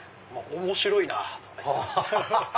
面白いなとか言ってました。